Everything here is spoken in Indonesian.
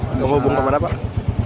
penghubung kemana pak